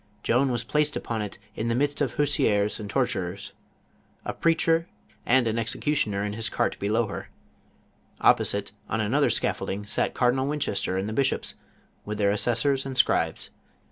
Joan was placet! upon it in the midst of /////W rv and tortures, a preacher, and an exe cutioner in his cait below her. Opposite, on another scall'olding, satf Cardinal Winchester and the bishops, with their assessors and scribes.